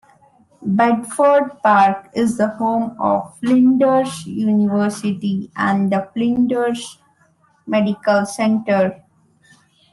Bedford Park is the home of Flinders University and the Flinders Medical Centre.